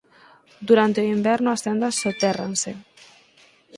Durante o inverno as tendas sotérranse.